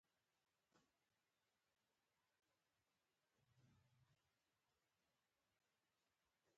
د "الف" حرف لومړی حرف دی.